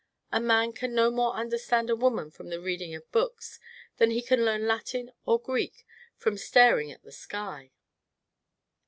A man can no more understand a woman from the reading of books than he can learn Latin or Greek from staring at the sky."